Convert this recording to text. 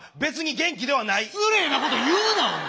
失礼なこと言うなお前。